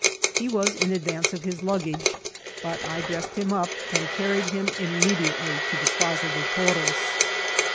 He was in advance of lus Inggage, but I dressed him up and carried him immediately to the Plasa de Toros.